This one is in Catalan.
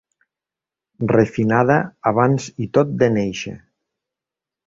Refinada abans i tot de néixer.